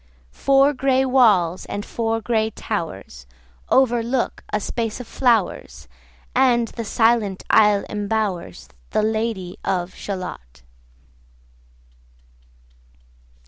Four gray walls, and four gray towers, 15 Overlook a space of flowers, And the silent isle imbowers The Lady of Shalott.